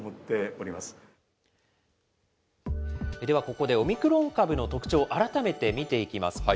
ではここで、オミクロン株の特徴、改めて見ていきます。